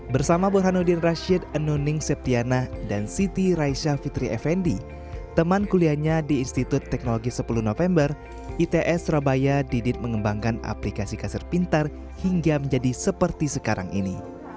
bersama burhanuddin rashid anuning septiana dan siti raisha fitri effendi teman kuliahnya di institut teknologi sepuluh november its surabaya didit mengembangkan aplikasi kaset pintar hingga menjadi seperti sekarang ini